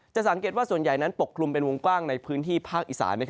สังเกตว่าส่วนใหญ่นั้นปกคลุมเป็นวงกว้างในพื้นที่ภาคอีสาน